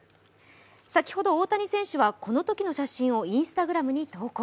先ほど大谷選手はこのときの写真をＩｎｓｔａｇｒａｍに投稿。